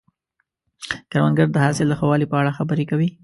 کروندګر د حاصل د ښه والي په اړه خبرې کوي